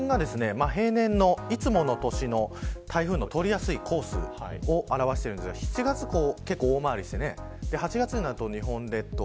点線が平年のいつもの年の台風の通りやすいコースを表していますが７月以降大回りして８月になると日本列島